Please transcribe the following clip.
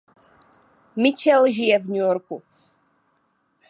Mitchell žije v New Yorku.